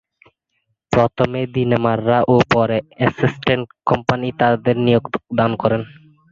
প্রথমে দিনেমাররা ও পরে অস্টেন্ড কোম্পানি তাদের নিয়োগ দান করে।